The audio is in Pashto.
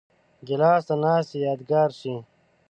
ګیلاس د ناستې یادګار شي.